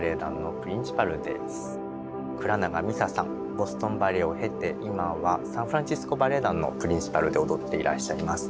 ボストン・バレエを経て今はサンフランシスコ・バレエ団のプリンシパルで踊っていらっしゃいます。